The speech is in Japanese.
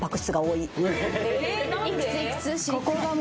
いくついくつ？